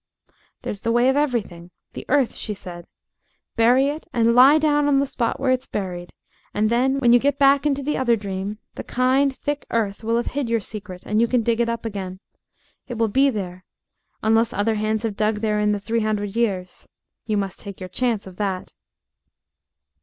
"There's the way of everything the earth," she said; "bury it, and lie down on the spot where it's buried, and then, when you get back into the other dream, the kind, thick earth will have hid your secret, and you can dig it up again. It will be there ... unless other hands have dug there in the three hundred years. You must take your chance of that."